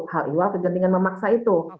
hal iwal kegentingan memaksa itu